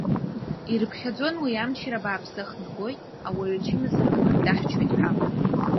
Ирыԥхьаӡон уи амчра бааԥсы ахнагоит, ауаҩы ачымазара аҟнытә дахьчоит ҳәа.